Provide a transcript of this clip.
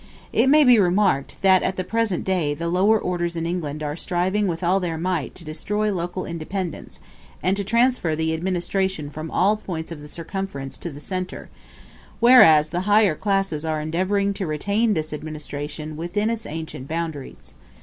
It may be remarked, that at the present day the lower orders in England are striving with all their might to destroy local independence, and to transfer the administration from all points of the circumference to the centre; whereas the higher classes are endeavoring to retain this administration within its ancient boundaries.